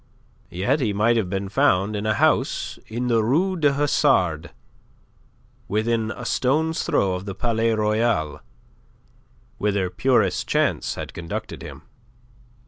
Yet he might have been found in a house in the Rue du Hasard within a stone's throw of the Palais Royal, whither purest chance had conducted him.